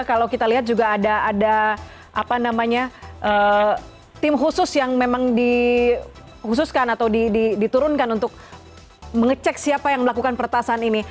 kalau kita lihat juga ada apa namanya tim khusus yang memang di khususkan atau diturunkan untuk mengecek siapa yang melakukan pertahanan ini